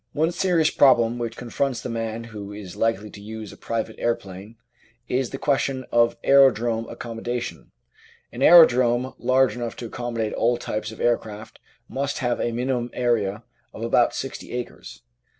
One serious problem which confronts the man who is likely to use a private aeroplane is the question of aerodrome accommo dation. An aerodrome large enough to accommodate all types of aircraft must have a minimum area of about sixty acres.